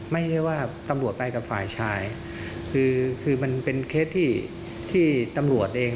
ไม่ได้ว่าตำรวจไปกับฝ่ายชายคือคือมันเป็นเคสที่ที่ตำรวจเอง